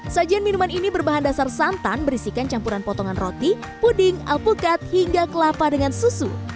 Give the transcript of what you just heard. sajian minuman ini berbahan dasar santan berisikan campuran potongan roti puding alpukat hingga kelapa dengan susu